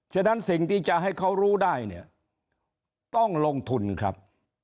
ฉะนั้นสิ่งที่จะให้เขารู้ได้เนี่ยต้องลงทุนครับ